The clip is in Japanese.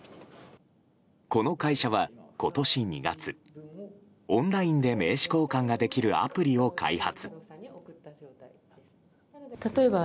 この会社は、今年２月オンラインで名刺交換ができるアプリを開発。